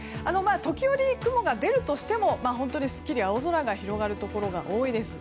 時折、雲が出るとしても本当にすっきり青空が広がるところが多いです。